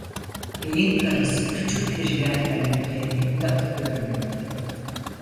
Bey'in karısı küçük bir yerden bile imdat görmüyordu.